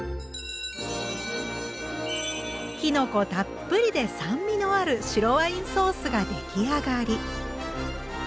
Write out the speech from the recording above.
きのこたっぷりで酸味のある白ワインソースが出来上がり。